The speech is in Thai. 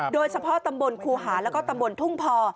โดยเฉพาะตำบลครูหาแล้วก็ตำบลทุ่งพอ